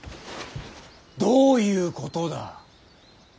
どういうことだ。